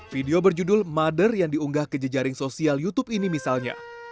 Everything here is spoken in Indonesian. video berjudul mother yang diunggah ke jejaring sosial youtube ini misalnya